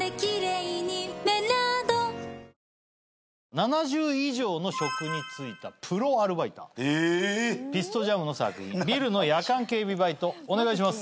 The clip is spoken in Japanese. ７０以上の職に就いたプロアルバイターピストジャムの作品「ビルの夜間警備バイト」お願いします。